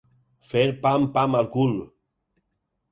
Fer pam pam al cul.